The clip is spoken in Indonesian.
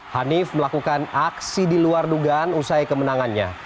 hanif melakukan aksi di luar dugaan usai kemenangannya